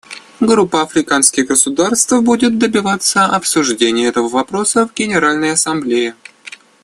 Группа африканских государств будет добиваться обсуждения этого вопроса в Генеральной Ассамблее.